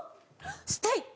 ステイ！